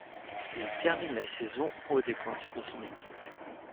Il termine la saison au des pointeurs de son équipe.